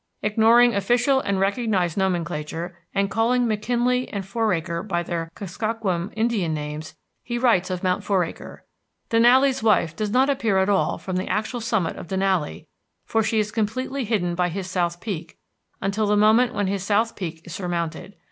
Ignoring official and recognized nomenclature, and calling McKinley and Foraker by their Kuskokwim Indian names, he writes of Mount Foraker: "Denali's Wife does not appear at all save from the actual summit of Denali, for she is completely hidden by his South Peak, until the moment when his South Peak is surmounted.